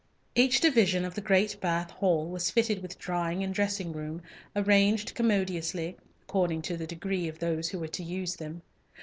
Each division of the great bath hall was fitted with drying and dressing room, arranged commodiously according to the degree of those who were to use them.